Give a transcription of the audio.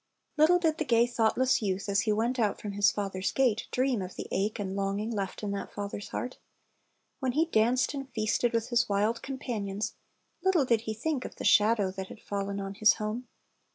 Little did the gay, thoughtless youth, as he went out from his father's gate, dreaipi of the ache and longing left in that father's heart. When he danced and feasted with his wild companions, little did he think of the shadow that had fallen on his home.